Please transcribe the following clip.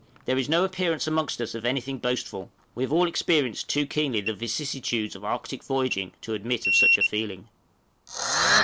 There is no appearance amongst us of anything boastful; we have all experienced too keenly the vicissitudes of Arctic voyaging to admit of such a feeling.